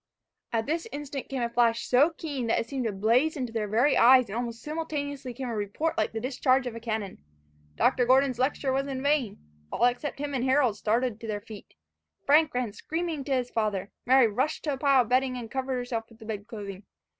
At this instant came a flash so keen, that it seemed to blaze into their very eyes, and almost simultaneously came a report like the discharge of a cannon. Dr. Gordon's lecture was in vain; all except him and Harold started to their feet. Frank ran screaming to his father. Mary rushed to a pile of bedding, and covered herself with the bed clothing.